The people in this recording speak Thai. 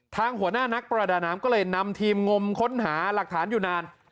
หัวหน้านักประดาน้ำก็เลยนำทีมงมค้นหาหลักฐานอยู่นาน